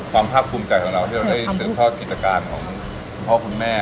ความภาพภูมิใจของเราที่เราได้เสิร์ฟเข้ากิจการของคุณพ่อคุณแม่